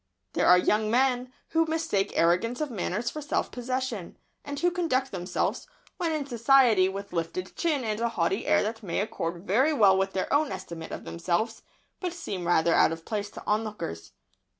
There are young men who mistake arrogance of manners for self possession, and who conduct themselves, when in society with lifted chin and a haughty air that may accord very well with their own estimate of themselves, but seem rather out of place to onlookers.